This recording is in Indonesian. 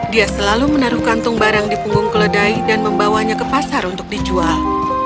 dia selalu menaruh kantung barang di punggung keledai dan membawanya ke pasar untuk dijual